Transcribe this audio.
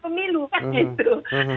pemilu kan gitu